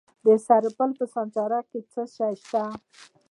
د سرپل په سانچارک کې څه شی شته؟